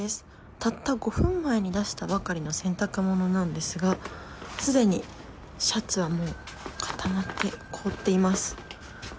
たった５分前に出したばかりの洗濯物なんですがすでにシャツはもう固まって凍っています。